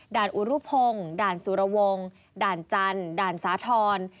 อุรุพงศ์ด่านสุรวงศ์ด่านจันทร์ด่านสาธรณ์